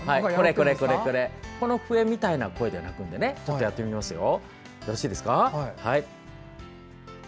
この笛みたいな声で鳴くのでちょっとやってみますよ。